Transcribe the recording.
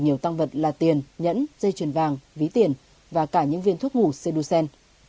nhiều tăng vật là tiền nhẫn dây truyền vàng ví tiền và cả những viên thuốc ngủ seducen